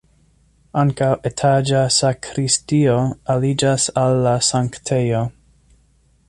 Ankaŭ etaĝa sakristio aliĝas al la sanktejo.